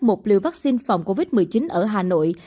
một liều vaccine phòng covid một mươi chín ở hà nội